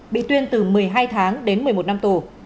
bị tuyên từ một mươi hai tháng đến một mươi một năm tù